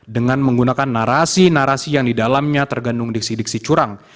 dengan menggunakan narasi narasi yang didalamnya tergandung diksi diksi curang